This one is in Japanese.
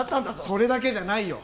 それだけじゃないよ。